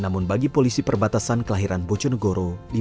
namun bagi polisi perbatasan kelahiran bojonegoro